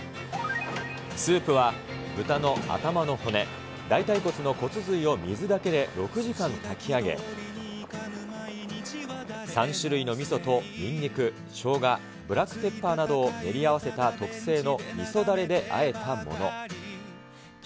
スープは豚の頭の骨、大腿骨の骨髄を水だけで６時間炊き上げ、３種類のみそとニンニク、ショウガ、ブラックペッパーなどを練り合わせた特製のみそだれで和えたもの。